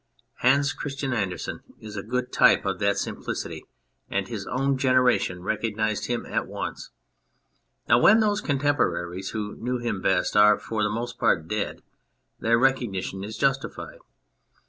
Hans Christian Andersen is a good type of that simplicity ; and his own generation recognised him at once ; now, when those contemporaries who knew him best are for the most part dead, their recognition is justified.